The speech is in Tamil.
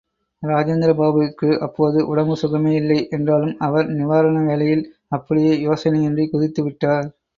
ராஜேந்திர பாபுவிற்கு அப்போது உடம்பு சுகமே இல்லை.என்றாலும், அவர் நிவாரண வேலையில் அப்படியே யோசனையின்றிக் குதித்து விட்டார்.